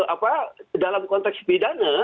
apa dalam konteks pidana